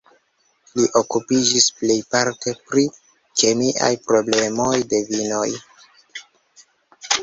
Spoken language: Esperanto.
Li okupiĝis plejparte pri kemiaj problemoj de vinoj.